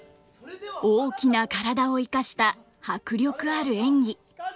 大きな体を生かした迫力ある演技。